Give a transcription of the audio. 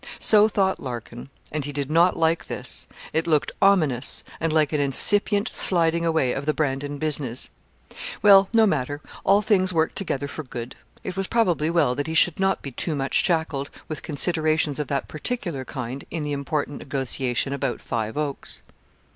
So thought Larkin, and he did not like this. It looked ominous, and like an incipient sliding away of the Brandon business, Well, no matter, all things worked together for good. It was probably well that he should not be too much shackled with considerations of that particular kind in the important negotiation about Five Oaks.